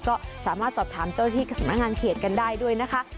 ก็สามารถสอบถามเจ้าที่สำนักงานเขตกันได้ด้วยนะคะ